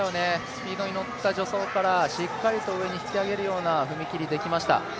スピードに乗った助走からしっかりと上に引き上げるような踏み切りができました。